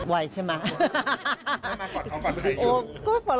ว่ายฉันไหม